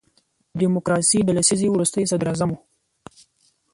د ډیموکراسۍ د لسیزې وروستی صدر اعظم وو.